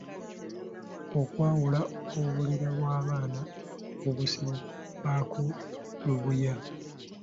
Okwawula obulira bw’abaana obusibako lubuuya.